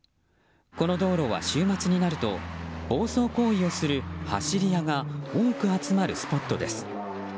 この道路は、週末になると暴走行為をする走り屋が多く集まるスポットです。